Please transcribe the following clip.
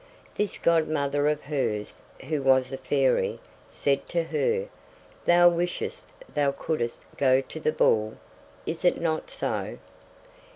This godmother of hers, who was a fairy, said to her, "Thou wishest thou couldst go to the ball; is it not so?"